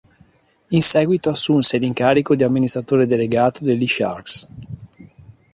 In seguito assunse l'incarico di amministratore delegato degli Sharks.